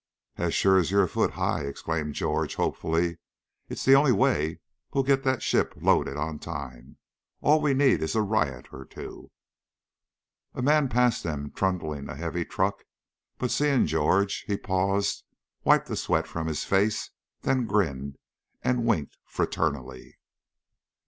"As sure as you're a foot high!" exclaimed George, hopefully. "It's the only way we'll get that ship loaded on time. All we need is a riot or two." A man passed them trundling a heavy truck, but seeing Big George, he paused, wiped the sweat from his face, then grinned and winked fraternally.